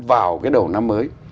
vào cái đầu năm mới